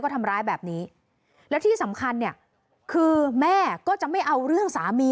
ทำร้ายแบบนี้แล้วที่สำคัญเนี่ยคือแม่ก็จะไม่เอาเรื่องสามี